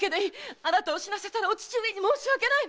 あなたを死なせたらお父上に申し訳ない！